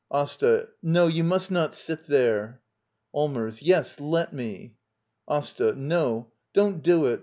AsTA. No, you must not sit there. Allmers. Yes, let me. AsTA. No; don't do it.